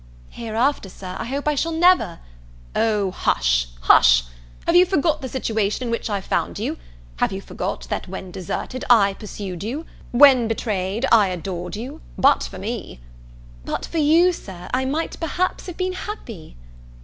"Hereafter, Sir, I hope I shall never " "O hush! hush! have you forgot the situation in which I found you? Have you forgot, that when deserted, I pursued you, when betrayed, I adored you? but for me " "But for you, Sir, I might perhaps have been happy."